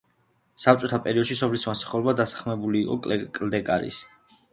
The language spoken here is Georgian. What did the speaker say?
საბჭოთა პერიოდში სოფლის მოსახლეობა დასაქმებული იყო კლდეკარის მეცხოველეობის მეურნეობაში.